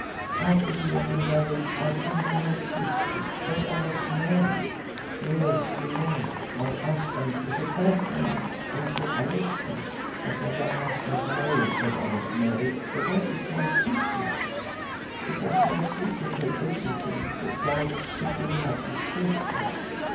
"After we had been lovers I told him my secret that I was married. Pierre Simon, my husband, was a bad man, and so I left him. But Madame must not know that I was married, for that is my secret. It does not do to tell everything besides, it would have distressed her.